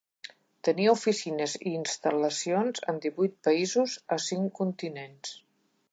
Tenia oficines i instal·lacions en divuit països a cinc continents.